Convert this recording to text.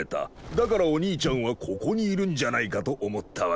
だからお兄ちゃんはここにいるんじゃないかと思ったわけさ。